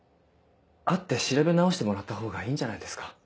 会って調べ直してもらったほうがいいんじゃないですか？